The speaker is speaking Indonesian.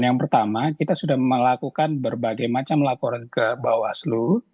yang pertama kita sudah melakukan berbagai macam laporan ke bawaslu